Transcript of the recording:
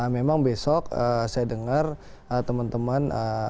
memang besok saya dengar teman teman di lampung